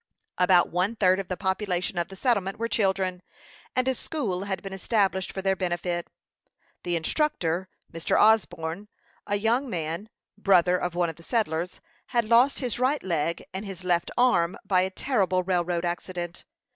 About one third of the population of the settlement were children, and a school had been established for their benefit. The instructor, Mr. Osborne, a young man, brother of one of the settlers, had lost his right leg and his left arm by a terrible railroad accident.